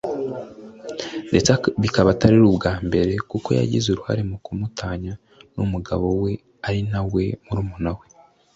ndetse bikaba atari ubwa mbere kuko yagize uruhare mu kumutanya n’umugabo we ari nawe murumuna we